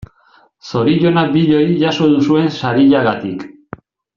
Zorionak bioi jaso duzuen sariagatik.